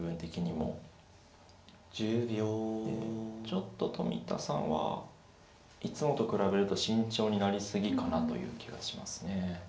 ちょっと冨田さんはいつもと比べると慎重になり過ぎかなという気がしますね。